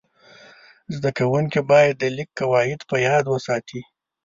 زده کوونکي باید د لیک قواعد په یاد وساتي.